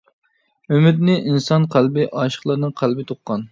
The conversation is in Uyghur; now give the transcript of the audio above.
ئۈمىدنى ئىنسان قەلبى، ئاشىقلارنىڭ قەلبى تۇغقان.